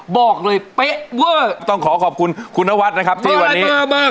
บอกเลยเป๊ะเวอร์ต้องขอขอบคุณคุณนวัดนะครับที่วันนี้